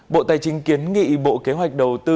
bộ tài chính kiến nghị bộ kế hoạch đầu tư